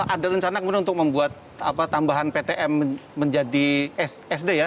ada rencana kemudian untuk membuat tambahan ptm menjadi sd ya